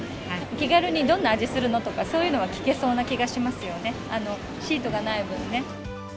気軽にどんな味するのとか、そういうのは聞けそうな気がしますよね、シートがない分ね。